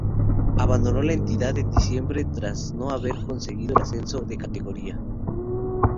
Abandonó la entidad en diciembre, tras no haber podido conseguir el ascenso de categoría.